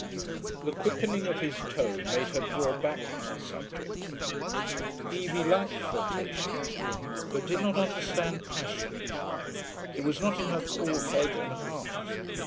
The quickening of his tone made her draw back from the subject. Evie liked flirtation, but did not understand passion; it was not in her cool head and heart.